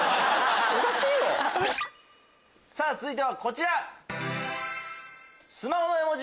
さぁ続いてはこちら。